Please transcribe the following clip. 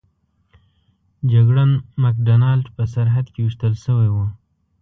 جګړن مک ډانلډ په سرحد کې ویشتل شوی و.